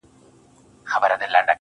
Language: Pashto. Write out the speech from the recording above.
o هغې بېگاه زما د غزل کتاب ته اور واچوه.